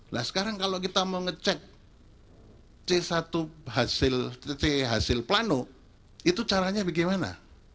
nah sekarang kalau kita mau ngecek c satu hasil plano itu caranya bagaimana